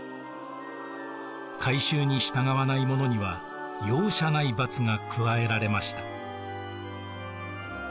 改宗に従わない者には容赦ない罰が加えられました。